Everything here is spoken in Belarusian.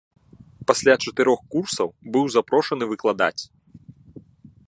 Пасля чатырох курсаў быў запрошаны выкладаць.